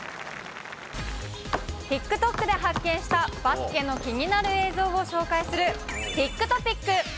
ＴｉｋＴｏｋで発見したバスケの気になる映像を紹介する、ティックトピック。